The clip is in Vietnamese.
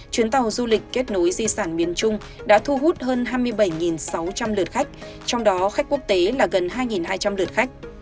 chuyến tàu du lịch kết nối di sản miền trung đã thu hút hơn hai mươi bảy sáu trăm linh lượt khách trong đó khách quốc tế là gần hai hai trăm linh lượt khách